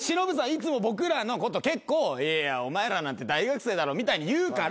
いつも僕らのこと結構お前らなんて大学生だろみたいに言うから。